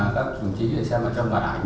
các đồng chí xem ở trong bản ảnh